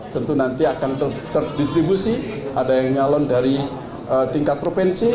tentu nanti akan terdistribusi ada yang nyalon dari tingkat provinsi